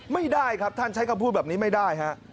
ไม่ได้ครับท่านใช้คำพูดแบบนี้ไม่ได้ฮะ